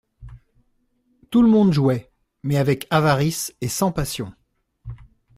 Tout le monde jouait, mais avec avarice et sans passion.